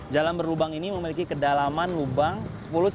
jalan berlubang ini memiliki kedalaman lubang sepuluh cm